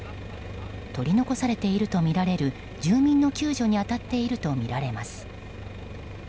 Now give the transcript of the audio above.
取り残されているとみられる住民の救助に当たっているとみられます。